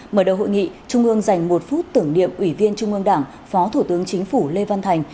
mở đầu hội nghị trung ương dành một phút tưởng niệm ủy viên trung ương đảng phó thủ tướng chính phủ lê văn thành